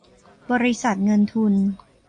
บริษัทเงินทุน